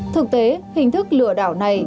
thực tế hình thức lừa đảo này